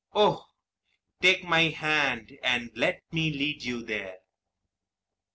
Oh, take my hand and let me lead you there.